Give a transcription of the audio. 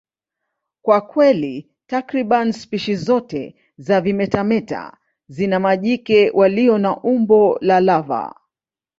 Kwa kweli, takriban spishi zote za vimetameta zina majike walio na umbo la lava.